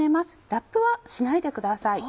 ラップはしないでください。